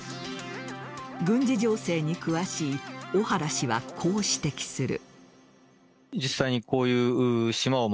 軍事情勢に詳しい小原氏はこう指摘する。